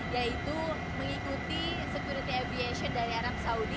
yaitu mengikuti security aviation dari arab saudi